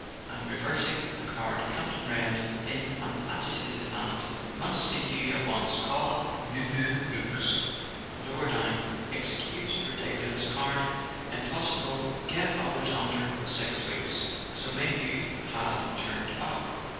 and reversing the card, Campton read, in an agitated hand: "Must see you at once. Call up Nouveau Luxe"; and, lower down: "Excuse ridiculous card. Impossible get others under six weeks." So Mayhew had turned up